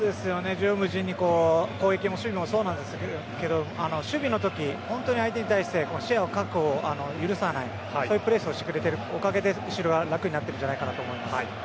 縦横無尽に攻撃も守備もそうなんですが守備のとき、相手に対して視野の確保を許さないそういうプレスをしてくれているおかげで後ろは楽になっているんじゃないかと思います。